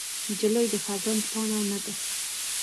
نجلۍ د خزان پاڼه نه ده.